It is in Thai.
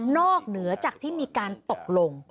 เหนือจากที่มีการตกลง